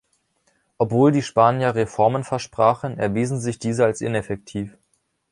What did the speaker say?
Obwohl die Spanier Reformen versprachen, erwiesen sich diese als ineffektiv.